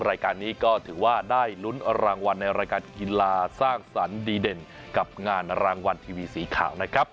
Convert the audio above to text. รายการนี้ก็ถือว่าได้ลุ้นรางวัลในรายการกีฬาสร้างสรรค์ดีเด่นกับงานรางวัลทีวีสีขาวนะครับ